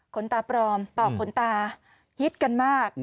ตาปลอมต่อขนตาฮิตกันมาก